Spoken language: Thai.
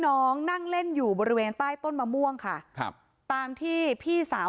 น้องนั่งเล่นอยู่บริเวณใต้ต้นมะม่วงค่ะครับตามที่พี่สาว